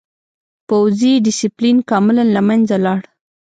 پوځي ډسپلین کاملاً له منځه لاړ.